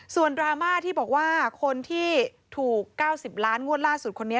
ส่วนดราม่าที่บอกว่าคนที่ถูก๙๐ล้านงวดล่าสุดคนนี้